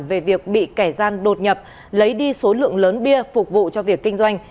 về việc bị kẻ gian đột nhập lấy đi số lượng lớn bia phục vụ cho việc kinh doanh